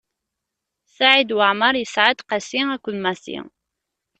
Saɛid Waɛmeṛ yesɛa-d: Qasi akked Massi.